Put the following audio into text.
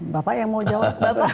bapak yang mau jawab